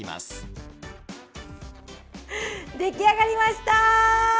出来上がりました！